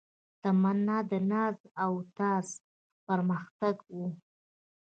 تمنا د ناز او تاز و پرمختګ و